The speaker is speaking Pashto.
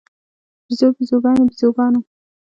بیزو، بیزوګانې، بیزوګانو